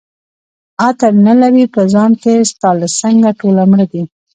عطر نه لري په ځان کي ستا له څنګه ټوله مړه دي